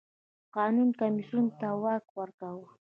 قانون کمېسیون ته واک ورکاوه.